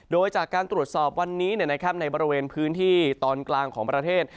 โดยจากการตรวจสอบวันนี้ในบริเวณพื้นที่ตอนกลางของประเทศ